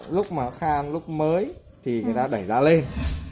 lúc mà sang lúc mới thì người ta đẩy giá lên